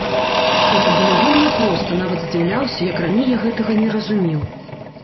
Гэта было вельмі проста, нават здзіўляўся, як раней я гэтага не разумеў.